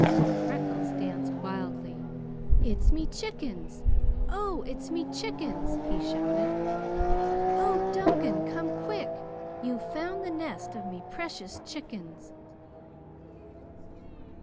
Freckles danced wildly. "It's me chickens! Oh, it's me chickens!" he shouted. "Oh, Duncan, come quick! You've found the nest of me precious chickens!"